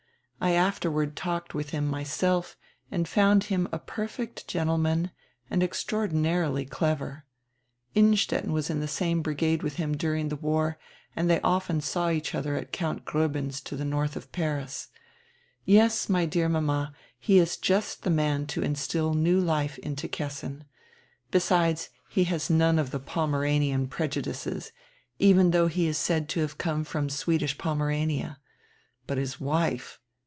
I afterward talked with him myself and found him a perfect gendeman and extraordinarily clever. Innstetten was in the same brigade widi him during die war and they often saw each other at Count Groben's to die north of Paris. Yes, my dear mama, he is just die man to instill new life into Kessin. Besides, he has none of die Pomeranian preju dices, even though he is said to have come from Swedish Pomerania. But his wife!